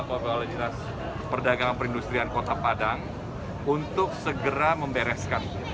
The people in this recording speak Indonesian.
saya meminta kepada kepala dinas terutama kepala dinas perdagangan perindustrian kota padang untuk segera membereskan